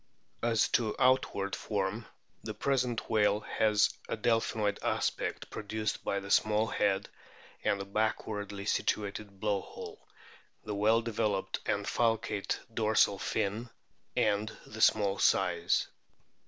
As to outward form the present whale has a del phinoid aspect, produced by the small head and the backwardly situated blow hole, the well developed and falcate dorsal fin, and the small size.